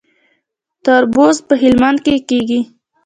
تربوز په هلمند کې کیږي